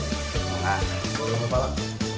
semoga berjalan dengan baik